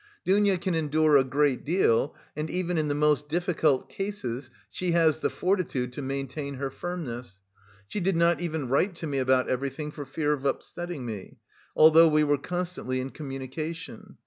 Dounia can endure a great deal and even in the most difficult cases she has the fortitude to maintain her firmness. She did not even write to me about everything for fear of upsetting me, although we were constantly in communication.